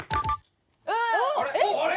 ・あれ？